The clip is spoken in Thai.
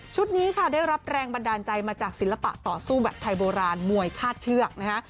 นี้ค่ะได้รับแรงบันดาลใจมาจากศิลปะต่อสู้แบบไทยโบราณมวยคาดเชือกนะคะ